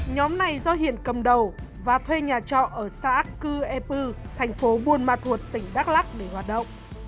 nhóm này do hiền cầm đầu và thuê nhà trọ ở xã cư e pư thành phố buôn ma thuột tỉnh đắk lắc để hoạt động